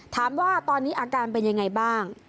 ถามว่าตอนนี้อาการเป็นยังไงบ้าง